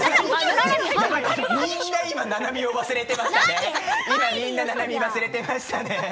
今ななみを忘れていましたね。